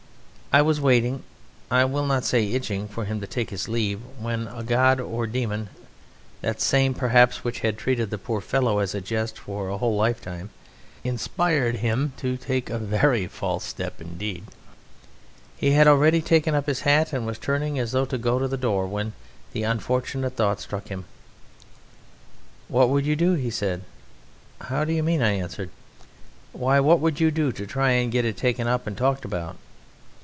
I was waiting, I will not say itching, for him to take his leave, when a god or demon, that same perhaps which had treated the poor fellow as a jest for a whole lifetime, inspired him to take a very false step indeed. He had already taken up his hat and was turning as though to go to the door, when the unfortunate thought struck him. "What would you do?" he said. "How do you mean?" I answered. "Why, what would you do to try and get it taken up and talked about?"